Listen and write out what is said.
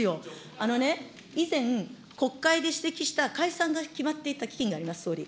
あのね、以前、国会で指摘した解散が決まっていた基金があります、総理。